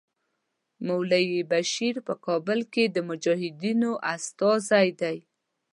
مولوي بشیر په کابل کې د مجاهدینو استازی دی.